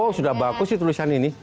oh sudah bagus sih tulisan ini